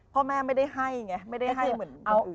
พ่อแม่ไม่ได้ให้ไงไม่ได้ให้เหมือนเอาอื่น